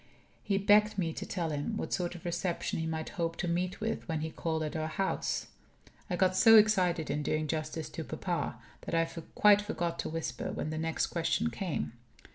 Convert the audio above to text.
He begged me to tell him what sort of reception he might hope to meet with when he called at our house. I got so excited in doing justice to papa that I quite forgot to whisper when the next question came.